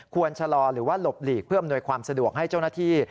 ชะลอหรือว่าหลบหลีกเพื่ออำนวยความสะดวกให้เจ้าหน้าที่